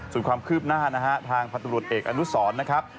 ส่วนความคืบหน้านะฮะทางพันธุรกิจเอกอนุสรนะครับ